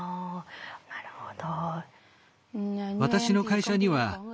なるほど。